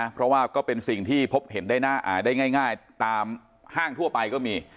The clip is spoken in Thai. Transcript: เพราะว่าก็เป็นสิ่งที่พบเห็นได้ง่ายตามห้างทั่วไปก็มี